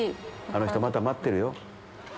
あの人また待ってるよ。